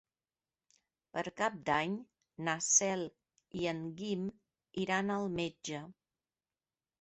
Per Cap d'Any na Cel i en Guim iran al metge.